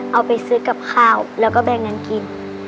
เอาไปซื้อกับข้าวแล้วก็แบ่งเงินกิน